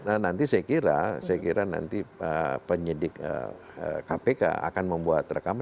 nah nanti saya kira saya kira nanti penyidik kpk akan membuat rekaman